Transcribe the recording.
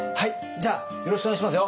じゃあよろしくお願いしますよ